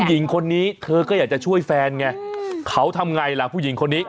หญิงคนนี้เธอก็อยากจะช่วยแฟนไงเขาทำไงล่ะผู้หญิงคนนี้